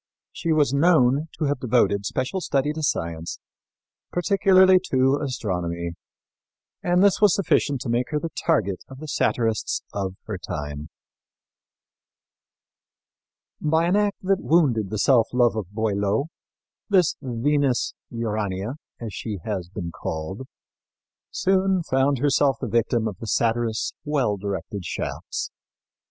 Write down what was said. She was known to have devoted special study to science, particularly to astronomy, and this was sufficient to make her the target of the satirists of her time. By an act that wounded the self love of Boileau this Venus Urania, as she has been called, soon found herself the victim of the satirist's well directed shafts.